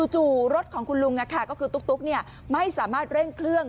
จู่รถของคุณลุงก็คือตุ๊กไม่สามารถเร่งเครื่อง